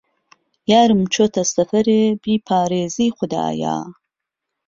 یارم چۆته سهفهرێ بیپارێزی خودایا